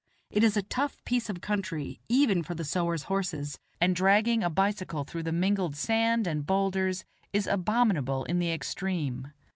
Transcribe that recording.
It is a tough piece of country even for the sowars' horses, and dragging a bicycle through the mingled sand and bowlders is abominable in the extreme.